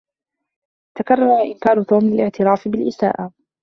تكرر إنكار توم للاعتراف بالإساءة.